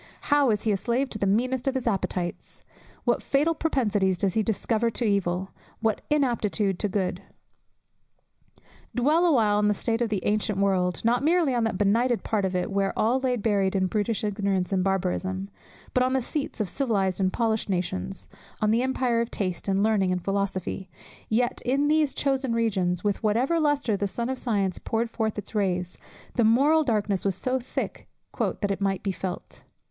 How is he a slave to the meanest of his appetites! What fatal propensities does he discover to evil! What inaptitude to good! Dwell awhile on the state of the ancient world; not merely on that benighted part of it where all lay buried in brutish ignorance and barbarism, but on the seats of civilized and polished nations, on the empire of taste, and learning, and philosophy: yet in these chosen regions, with whatever lustre the sun of science poured forth its rays, the moral darkness was so thick "that it might be felt."